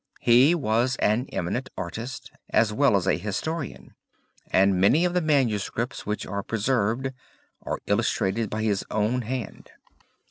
He was an eminent artist as well as a historian, and many of the manuscripts which are preserved are illustrated by his own hand.